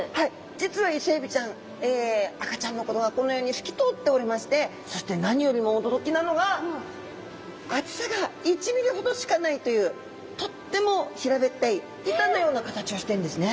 実はイセエビちゃん赤ちゃんの頃はこのように透き通っておりましてそして何よりも驚きなのがというとっても平べったい板のような形をしているんですね。